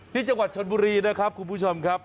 ที่จังหวัดชนบุรีนะครับคุณผู้ชมครับ